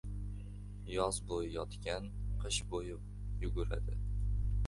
• Yoz bo‘yi yotgan qish bo‘yi yuguradi.